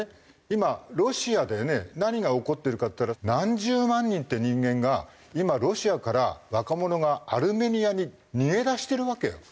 今ロシアでね何が起こってるかっていったら何十万人って人間が今ロシアから若者がアルメニアに逃げ出してるわけよ。